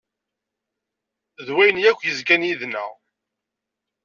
D wayen akk yezgan yid-neɣ.